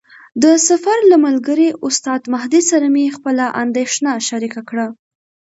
د سفر له ملګري استاد مهدي سره مې خپله اندېښنه شریکه کړه.